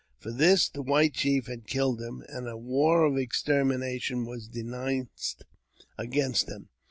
For this the white chief had killed him, and a war of extermination was denounced against them.